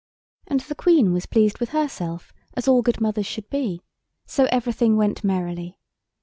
And the Queen was pleased with herself, as all good mothers should be—so everything went merrily.